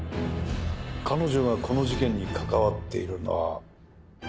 彼女がこの事件に関わっているのは。